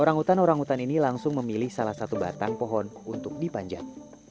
orang utan orang utan ini langsung memilih salah satu batang pohon untuk dipanjat